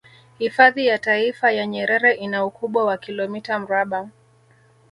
Hifadhi ya taifa ya Nyerere ina ukubwa wa kilomita mraba